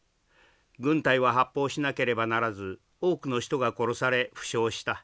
軍隊は発砲しなければならず多くの人が殺され負傷した。